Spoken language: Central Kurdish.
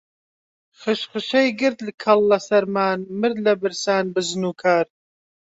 خشخشەی گرت کەڵ لە سەرمان، مرد لە برسان بزن و کار